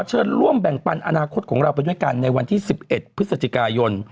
เชิญร่วมแบ่งปันอนาคตของเราไปด้วยกันในวันที่๑๑พฤศจิกายน